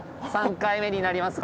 ３回目になります